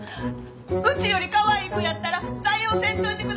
うちよりカワイイ子やったら採用せんといてくださいね。